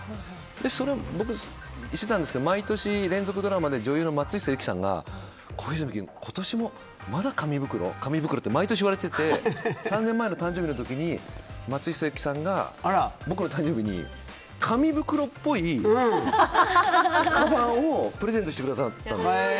それをしてたんですけど毎年連続ドラマで女優の松下由樹さんが小泉君、今年もまだ紙袋？って毎年言われてて３年前の誕生日の時に松下由樹さんが、僕の誕生日に紙袋っぽいかばんをプレゼントしてくださったんです。